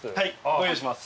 ご用意します。